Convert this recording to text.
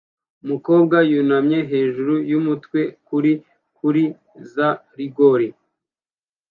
Umukobwa yunamye hejuru yumutwe kuri kuri za rigore